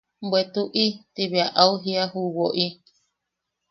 –Bwe tuʼi– Ti bea au jiia ju woʼi.